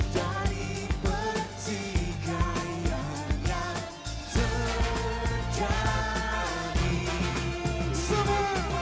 dari pertikaian yang terjadi